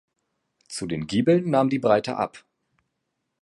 Zu den Giebeln nahm die Breite ab.